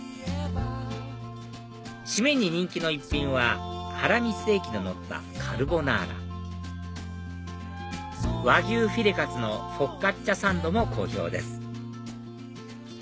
締めに人気の一品はハラミステーキののったカルボナーラ和牛フィレカツのフォッカッチャサンドも好評です